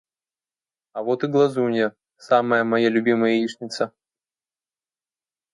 А вот и глазунья, самая моя любимая яичница.